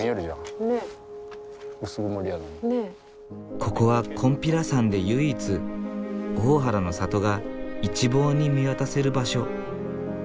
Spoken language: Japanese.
ここは金比羅山で唯一大原の里が一望に見渡せる場所。